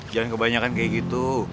jangan kebanyakan kayak gitu